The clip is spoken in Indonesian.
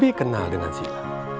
bibi kenal dengan sila